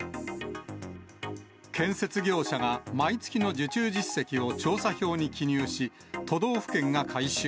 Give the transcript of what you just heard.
建設業者が、毎月の受注実績を調査票に記入し、都道府県が回収。